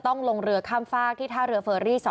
ต้องลงเรือข้ามฝากที่ท่าเรือเฟอรี่๒